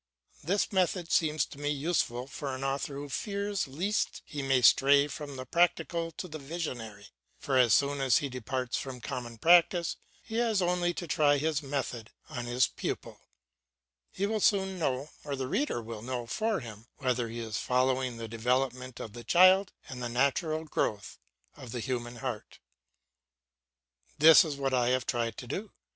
This method seems to me useful for an author who fears lest he may stray from the practical to the visionary; for as soon as he departs from common practice he has only to try his method on his pupil; he will soon know, or the reader will know for him, whether he is following the development of the child and the natural growth of the human heart. This is what I have tried to do.